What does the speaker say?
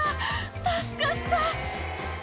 助かった。